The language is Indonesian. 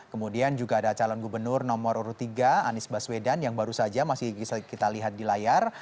kemudian juga ada calon gubernur nomor tiga anies baswedan yang baru saja masih bisa kita lihat di layar